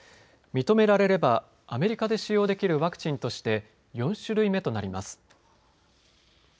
認められればアメリカで使用できるワクチンとして４種類目となります。